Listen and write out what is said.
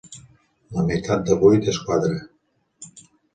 La meitat de vuit és quatre.